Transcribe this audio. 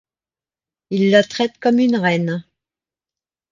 il la traite comme une reine